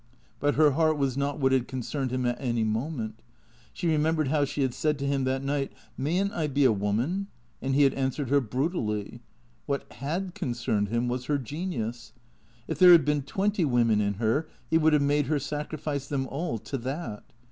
But her heart was not what had concerned him at any moment. She remembered how she had said to him that night, " May n't I be a woman ?" and he had answered her brutally. What Jiad concerned him was her genius. If there had been twenty women in her he would have made her sacri fice them all to that.